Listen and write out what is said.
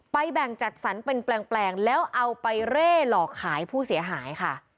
แบ่งจัดสรรเป็นแปลงแล้วเอาไปเร่หลอกขายผู้เสียหายค่ะ